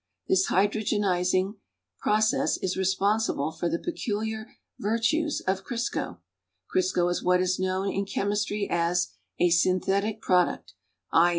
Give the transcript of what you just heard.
This hydrogenizing process is respon.siblc for the peculiar vir tues of Crisco. Crisco is what is known in chemistry as a .synthetic product, i.